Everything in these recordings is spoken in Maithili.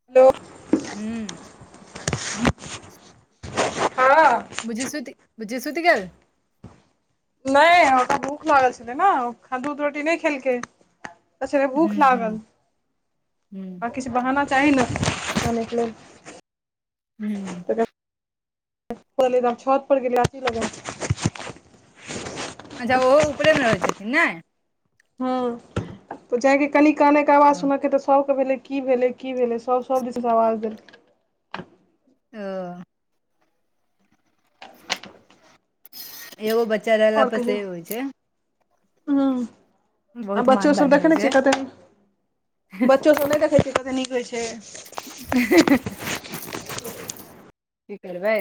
[unintelligible] हू हँ बुची सुत गेल बुची सुत गेल नहि ओ तऽ भूख लागल छलै ने खन दूध रोटी नहि खेलकै कहे छलै भूख हूँ हूँ लागल हूँ किछ [inaudible] बहाना चाही ने काने क लेल [unintelligible] ऊपर छत पर गेलियै अथी लग अच्छा ओहो ऊपरेमे रहैत छथिन नहि हँ त जायके कनि कानके आवाज ओ सुनके तऽ सब भेलै की भेलै की भेलै सभ सब दिस से आवाज देलकै [unintelligible] [inaudible] एगो बच्चा रहला आओर प कहियौ से होइ छै [unintelligible] आ बहुत मानदान बच्चोसभ होइ देखैतने छियै छै कतेक [inaudible] बच्चोसभ नहि देखैत छियै कतेक नीक रहैए छै [inaudible] की करबै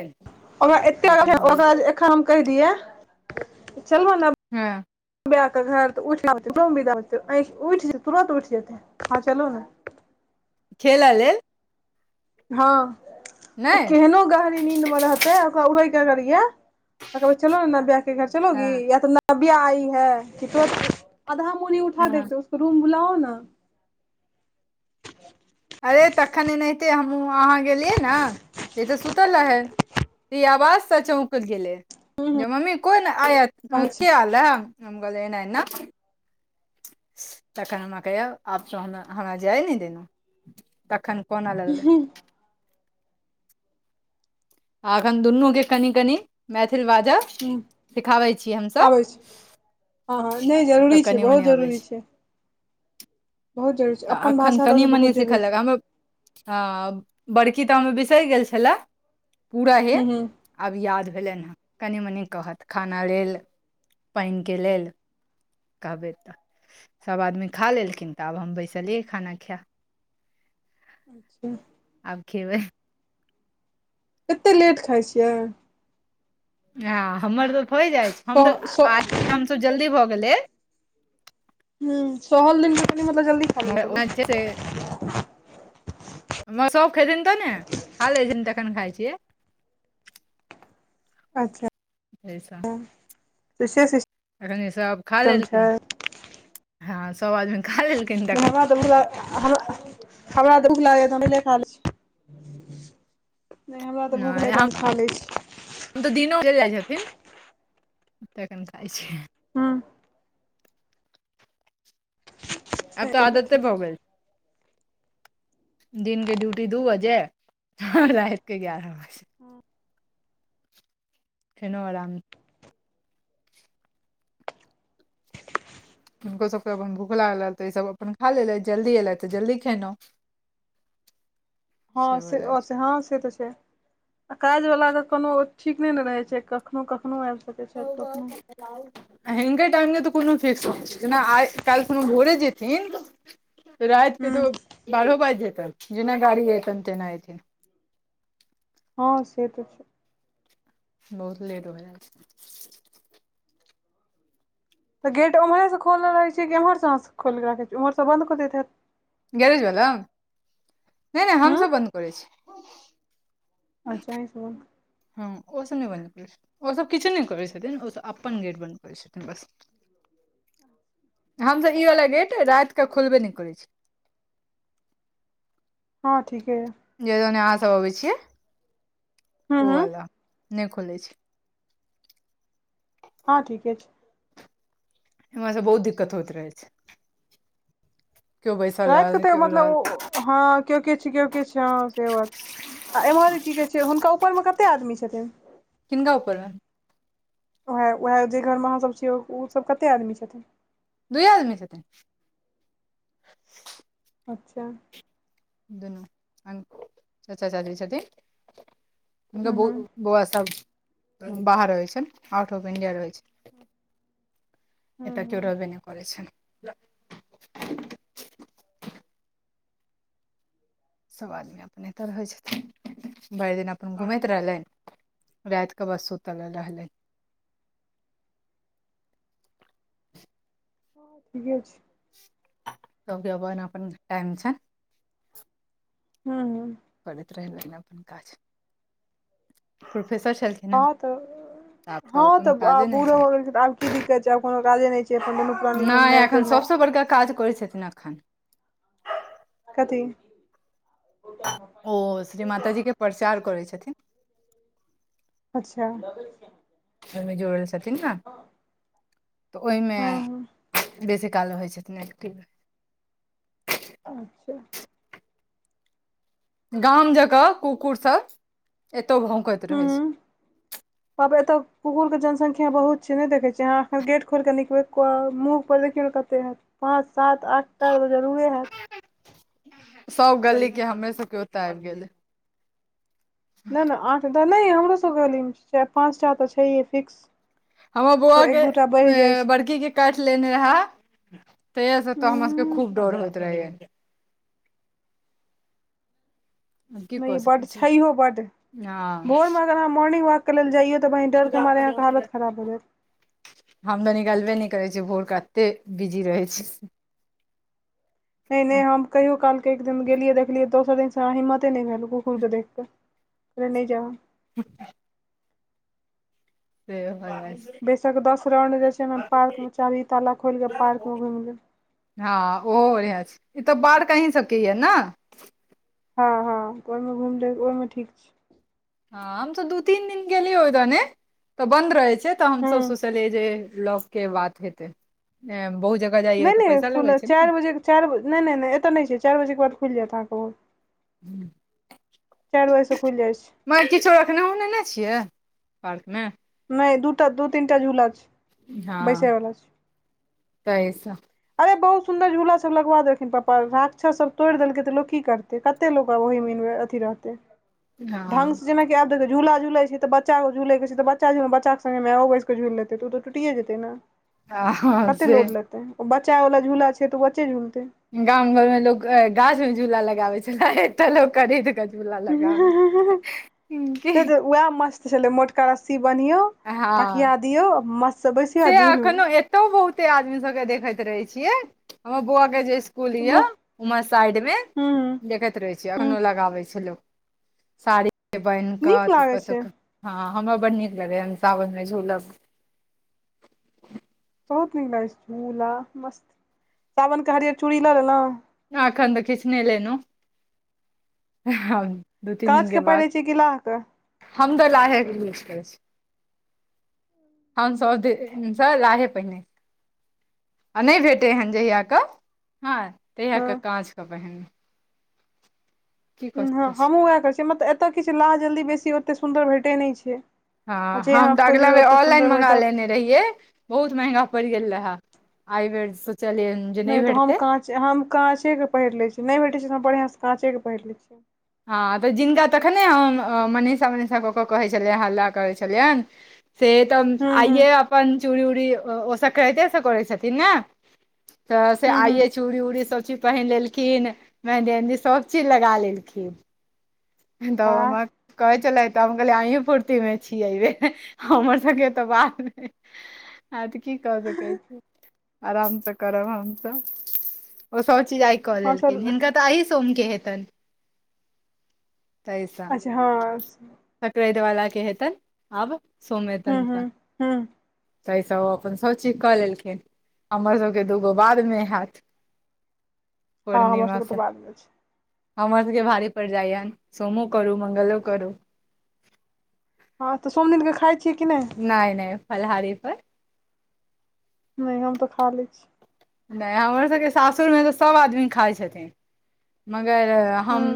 [unintelligible] आइ काल्हि भऽ जाइ कहि दिय चलबे ने हु [unintelligible] तुरत उठि जेतै हँ चलू ने खेल लेल हँ [inaudible] नै ओ केहनो गहरी नींद में रहतै ओकरा उ र के अगर या कहबै नब्या के घर चलोगी हँ नब्या आई है कि तुरंत आधा मुरी उठा हँ देते उसको रूम बुलाओ न अरे तखन एनाहिते हमहूँ अहाँ गेलियै ने से ई तऽ सुतल रहै ई आवाज से चौकल गेले मम्मी कोन आय अच्छा के आल है हम कहलियै नैना तखन हमरा कहैय आप त हमरा जाय नहि देलही तखन कोनअ लगै लै अखन दुनू के कनि कनि मैथिल बाज ह सिखाबै छियै हमस आबै छै हँ हँ नहि सब जरूरी [inaudible] छै कनि बहुत मनी अबै जरूरी छै बहुत जरूरी छै तऽ अपन एखन भाषा कनि तऽ मनि बहुत सिखय जरूरी लक छै हमर हँ बड़की टा में बिसरि गेल छलै पूरा हे ह ह आब याद भेलनि हँ कनि मनि कहत खाना लेल पइन के लेल कहबे तऽ सब आदमी खा लेलखिन तऽ आब हम बैस चलिय खाना खा अच्छा आब खेबै कतेक लेट खाइ छियै हं हमर तऽ होए जाइत छै हम सह तऽ आ सह हमस जल्दी भऽ गेले हं सोहल दिन कनी मतलब जल्दी खा लेल म करू से [inaudible] सब खेथिन तऽ ने खा लैथिन तखन खाइ छियै अच्छा जैसा शशा श अखनि सब खा लेलखिन हँ सब आदमी खा लेलखिन तखन धनवाद हमरा तऽ भूख लागै हम [unintelligible] नइ हमरा तऽ भूख नइ हम खा लै छी हम तऽ दिन चइल जाइ छथिन तखक हम खाई छियै हँ से अब तऽ तहन आदते ठीक भऽ छै गेल दिन के ड्यूटी दू बजे रात के गयारह बजे हँ [inaudible] नो आराम हुनको सबके अपन भुख लागल तऽ ईसब अपन खा लेलथि जल्दी एलथि तऽ जल्दी खेेलौ [inaudible] हँ हो से जाइ छै हँ से तऽ छै आ काज बला के कोनो ठीक नय ने रहय छै कखनो कखनो आबि सकैत छथि हं कखनो ब [inaudible] हिनका टाइम के तऽ कोनो फिक्स नइ जेना आइ काल्हि कोनो भोरे जेथिन राइत के हूँ तऽ बारहो बाज जेतन जेना गाड़ी एतन तेना एथिन हँ से तऽ छइ बहुत लेट हो जाई छइ तऽ गेट ओमहरेसँ खोल रहैतियै कि एमहरसँ खोलि रखैत छीम्हरसँ बन्द कऽ दैत हैत गैरेज वला नइ नइ हूँ हमसब बन्द करै छी अच्छा ई सब हँ ओ सब नइ बंद ओ सब किछो नइ करै छथिन ओसब अपन गेट बन्द करै छथिन बस हम तऽ ई वला गेट रात कऽ खोलबे नइ करै छी हँ ठीके जे दने अहाँ सब अबै छियै हूँ ओ हूँ वलू नइ खोले छियै हँ ठीके छय बहुत दिक्कत होइत रहे छय बैसल रात कऽ रहल तऽ केओ मतलब रहल हँ केओ किछ किओ किछ हं से बात छै आ एम्हर की कहै छै हुनका ऊपरमे कते आदमी छथिन किनका ऊपर मे ओएह उएह जेहि घरमे अहाँसभ छियै ओसभ कतेक आदमी छथिन दुए आदमी छथिन अचछा दुनू चचा चची छथि हुनका हूँ बहुत बौआ सब बाहर रहै छन आउट ऑफ इन्डिया रहै छै हूँ बेटा केओ हूँ रहबे नहि करय छै सभ आदमी अपनेतर होै छथिन भरि दिन अपन घूमैत रहलै रात क बस सुतल रसलै ठीके छै तब अब एना अपन टाइम छै हू करैत रहलनि अपन काज प्रोफेसर छल हँ त हँ त आब काजे नहि बूढ़ो हो गेल छै त आब की दिक्कत छै आब कोनो काजे नहि छै अपन दुनू छनि प्राणी नहि घुमनाइ एखन फिरनाइ सभसँ बड़का काज कर छथि एखैन कथि ओ श्री माताजी के प्रचार करै छथिन अच्छा ओहिमे जोड़ल छथिन ना तऽ ओहिमे हूँ हूँ बेसी काल रहइ छथिन एकटिभ अच्छा [unintelligible] गाम जका कुकुरसभ एतौ भौकैत रहै छै आब एतय कुकुर के जनसंख्या बहुत छै ने देख छिय अहाँ एखन गेट खोलिक निकलबे मुह पर देखिय कते हत पाँच सात आठटा त जरुरे हायत सब गली के हमे सबके ओते आबि गेले नहि नहि आठ नहि हमरो सबके गली मे छै पाँच टा त छैहे फिक्स हमर बौआ फेर एक के दूटा बढ़ि जाइ छै बड़की के काट लेने रहे तेहिया से तो हमरा के उंम्म खूब डर होइत रहैया की नहि कऽ बड सकैत छी छैहो बड हँ भोरमे अगर अहाँ मॉर्निंग वॉक के ले जाइयो त डरके मार यहाँके हालत खराब हो जायत हम त निकालबे नहि करै छियै भोर क कतेक बिजी रहै छी नहि हम कहियो काल एक एक दिन गेलियै देखलियै दोसर दिनसँ अहाँ हिम्मते नहि भेलहु कुकुर के देखिक पहिले नहि जाउ ठछा [unintelligible] से हो [unintelligible] बैसक दस राउंड जे छै ने पार्क मे चभी ताला खोलिक के पार्क में घुमि लेब हँ ओहो छै ई त बाढ़ कहीं सबके ये ने हँ हँ ओहिमे घुम ले ओहिमे ठीक छिये हँ आम त दू तीन दिन गेलल हो त ने त बन्द रहै छै से त सास हँ ससुर [unintelligible] नहि नहि खुलत चारि बजे चि बजे नहि नहि नहि एतय नहि छै चारि बजेके बाद खुलि जायत अहाँकेँ ओ चार बजेसे खुलि जाइ छै म किछो एखने उनेने छियै पार्कमे नहि दूटा दू तीनटा झूल छै हँ बैसे वलाा छै तैसँ अरे बहुत सुन्दर झूला सब लगबा देलखिन पप्पा राक्षससभ तोड़ि देलकै त लोक की करतै क कतेलोग वही [unintelligible] अथी रहते [inaudible] ढंग से जेना क देबे देख झूला झुलै छै तऽबच्चा झूल के छै बच्चा बच चामे बच्चा के संगे मायओ बैस क झुलि लतै त ओ त टुटिए जेतै ने हँ कते से लोड लेतै ओ बच्चावला झूला छै त बच्चे झूलतै गाम घर में लोग गाछ में झूला लगाबे छले अते लोक खरीद क झूला लगाबे वएह मस्त छलै मोटका रस्सी बन्हिऔ हँ थकिया दियो मस्त बैसियौ आ से झूलू अखनो एतौ बहुते आदमी सबके देखैत रहे छियै हमरा बौआ के जे स्कुल ये हूँ उम्हर साइड मे देखैत रहे छी हूँ अखनो लगाबे छै लोक साड़ी कऽ बानके नीक तऽ लागै कतो छै कतो हँ हमरा बड नीक लगैए हम सावन मे झूलब बहुत नीक लागे छै झूला मस्त सावनके हरियर चूड़ी लऽ लेलहु आखन तऽ किछु नै लेलौं दू तीन दिन काँच के पहिरै बाद छियै कि लाह के हम तऽ लाहेके हम सब दिन सँ लाहे पहिने आ नहि भेटै हन जहिय के हँ तहिया के हँ काँचके र पहनू हँ सकैत छी हमहूँ उएह कहैत छियै मतलब एतय किछु लाह जल्दी बेसी ओतेक सुन्दर भेटैत नहि छै आ हँ जे हम अहाँ तऽ अगला खोजबै बेर ओतेक ऑनलाइन सुन्दर मंगा भेटत लेने रहियै बहुत महंगा पड़ि गेल रहय आ बेर सोचलियै जे नहि तऽ हम भेटतै काँचे हम काँचेके पहिर लैत छी नहि भेटैत छै तऽ हम बढ़िआँसँ काँचेके पहिर लै छिये हँ त जिनका तखने हम मनीषा मनीषा क क कहै छलियनि हल्ला करै छलियनि से त हूँ हूँ आइए अपन चूड़ी उड़ी ओ सकरातेसँ करै छथिन नऽ त से हूँ हूँ आइे चूड़ी उड़ी सभ चीज पहिन लेलखिन मेंहदी उहन्दी सब चीज लगा लेलखिन वाह [unintelligible] कहै छलले तऽ हम कहलियै अही पूर्ति में छी अहि बेर हमर सबके तऽ बात नहि [unintelligible] आ त की क सकै छी आराम से करब हमसब ओ सब चीज आय कऽ लेलखिन हमसभ हिनका तऽ एहि सोम के हेतनि तै सँ अच्छा हँ संक्रान्ति वला के हेतनि आब सोम हूँ एतनि हूँ तऽ हूँ ताहि सँ अपन सभचीज कऽ लेलखिन हमर सभके दूगो बादमे हायत हँ हमर पूर्णिमा सबके तऽ से बादमे छै हमर सबके भारी पड़ि जाइये सोमो करू मंगलो करू हँ तऽ सोम दिनके खाइ छियै कि नहि नहि नहि फलहारी पर नहि हम तऽ खा लै छी नहि हमरोसभके सासुरमे तऽ सभ आदमी खाइ छथिन मगर हूँ हम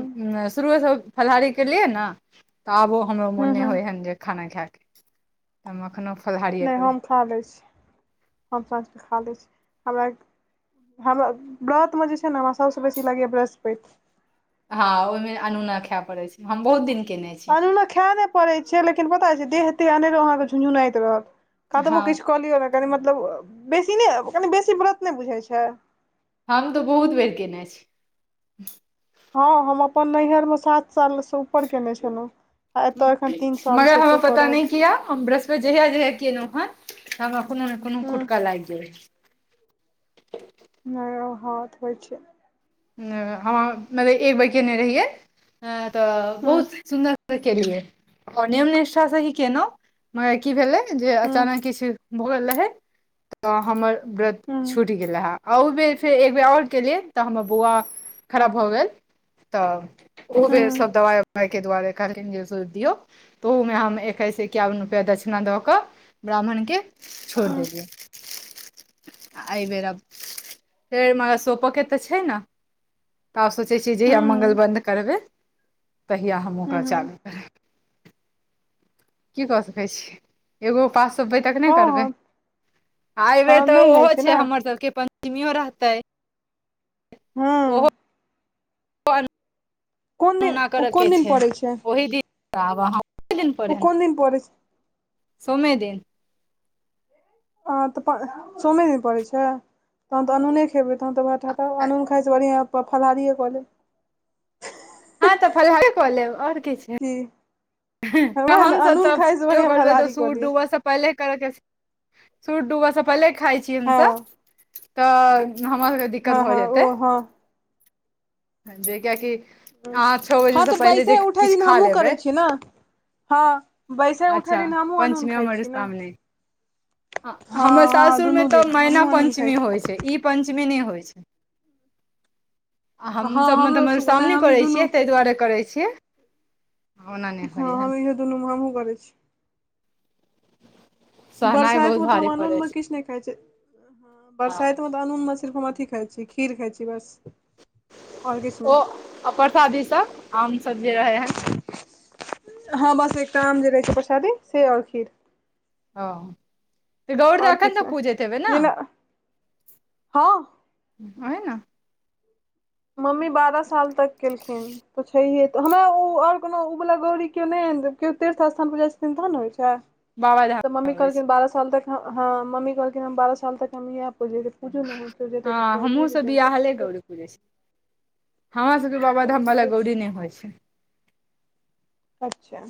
शुरूएसँ फलाहारी केलियै नऽ तऽ आबो हमरो हूँ मोन नहि हूँ होइ हन जे खाना खायके तऽ हम एखनो फलाहारिए नहि करै हम खा लैय छी हम साँझके खा लै छी हमरा हमरा ब्रत मे जे छै ने हमरा सबस बेसी लागैया ब्रस्पति हँ ओहि मे अनुना खाय परे छै हम बहुत दिन केने छी अनुना खाए नहि पड़ै छै लेकिन पता छै देह तेह अनेरो अहाँकेँ झुझुनाइत रहत हँ कतबो किछु कऽ लियौ नहि कनि मतलब बेसी नहि कनि बेसी व्रत नहि बुझैत छै हम तऽ बहुत बेर केने छै ह हम अपन नैहरमे सात सालसँ ऊपर केने छलहुँ आ एतय एखन तीन सालसँ मगर हमरा एतौ कऽ पता रहल नहि छी किया हम ब्रस्पति। जहिया जहिया कलहु ह हमरा कोनो ने कोनो हूँ खुटका लागि जाय नहि हथ होइ छै। एक बेर केने रहियै तऽ हूँ बहुत सुन्दर केलियै आओर नियम निष्ठास से ही केलहुँ मगर की भेलै जे हूँ अचानक किछु भऽ गेल रहै त हमर व्रत हूँ छुटी गेल ओ बेर फेर एकटा ओर केलियै तऽ हम। बौआ कराबै भऽ गेल। हूँ हूँ के दुआरे कहलखिन जे सौपि दियऔ त ओहूमे हम एकैस एकावन रुपैआ दक्षिणा दऽ कऽ ब्राह्मण के हूँ छोड़ि हूँ देलियै एहि बेर फेर सोप के तऽ छै ने तऽ आ सोचै छ जहिया मांगल बन्न्द करबै तहिया हम ओकरा हूँ चालू करब कि कऽ सकै छीयै एगो उपास सुबे तक ने हँ करबे हँ एबे हँ तऽ नहि होइ ओहो ने छै हमर सभके पंचमियो रहते हूँ ओहो। कोन दिन न ओ करऽ के कोन दिन छै पड़ै ओहि दिन आब ओहि दिन पर ओ एहन कोन दिन परै छै। सोमे दिन। ह तऽ सोमे दिन पड़ैत छै तहन तऽ अनूने खेबै तहन तऽए ख खाइ सँ बढ़िआ फलहारिए कऽ लैब ह तऽ फलहारे कऽ लेब आओर किछु जी। हमसभ तऽ बढ़िआँ करबै त फलाहारी कऽ सूट लिअ डूबय सभ पहिले करै के सूरूज डूबय सँ पहिले खाइ छी हमसभ हँ तऽ हमरा सभके दिक्कत हँ भऽ हँ ओ जेतै। हँ जे कियेकि। हँ तऽ बैसे उठै दिन खा हमहूँ करै लेबै छीयै ने हँ बैसा उठै अच्छा दिन हमहुँ अनून खाइ छी न ह, हमर साससुरमे तऽ मैना हमहूँ अनून खाइ पंचमी छी होइत छै ई पंचमी नहि होइत छै हँ हमसभ मतलब हमरो मधु सब नहि श्रावणी हम ई करैत दुनू छियै ताहि दुवारे करैत छियै ओना नहि ह, होइए हम इहो दुनू मे हमहुँ करै छी सहनाइ बरसाइत बहुत मे तऽ भारी हम अनून पड़ै मे छै किछु नहि खाय छियै बरसाइत मे अनून मे सिफ अथी खाइ छै। खीर खाइ छी बस आओर किछु ओ नहि प्रसादी सभ आम सभ जे रहे हन हँ बस एकटा आम जे रहै छै प्रसादी से आओर खीर। ओ। तऽ गौर तऽ आओर एखन किछु तक पूजैत हेबै नहि ने ओ जेना हँ न मम्मी बारह साल तक केलखिन। तऽ छैहे तऽ हमरा ओ ओर कोनो ओवला गौरी केओ नहि केओ तीर्थ स्थान परर जाइत छथिन तहन ने होइ छै तऽ बाबाधाम मम्मी अबै छै कहलखिन बारह साल तक ह मम्मी कहलखिन हम बारह साल तक हम इहै पुजलियै बुझू न हँ जेतबिय जेतै हम ठ छय हमर सबके बाबाधाम बला ठीके छै गौरी नइ होइ छै अच्छा